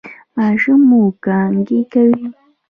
ماشوم مو کانګې کوي؟